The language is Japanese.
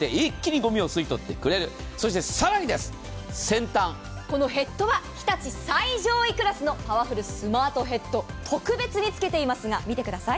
そして更に、先端、ヘッドはヘッドは日立の最上位クラスのパワフルスマートヘッド、特別につけていますが見てください